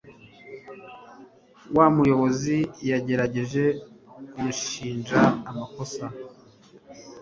Wa muyobizi yagerageje kunshinja amakosa.